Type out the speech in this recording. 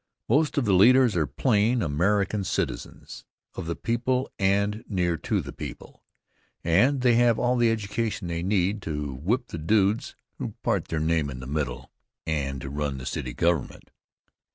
Most of the leaders are plain American citizens, of the people and near to the people, and they have all the education they need to whip the dudes who part their name in the middle and to run the City Government.